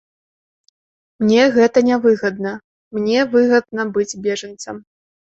Мне гэта нявыгадна, мне выгадна быць бежанцам!